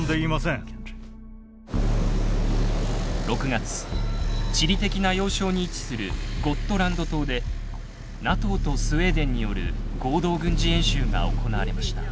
６月地理的な要衝に位置するゴットランド島でＮＡＴＯとスウェーデンによる合同軍事演習が行われました。